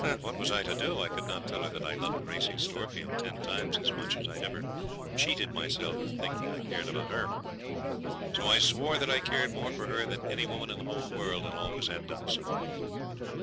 What was I to do? I could not tell her that I loved Gracey Storefield ten times as much as I'd ever cheated myself into thinking I cared about her. So I swore that I cared more for her than any woman in the whole world, and always had done so.